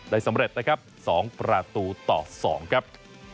สำเร็จนะครับ๒ประตูต่อ๒ครับ